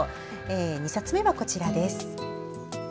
２冊目はこちらです。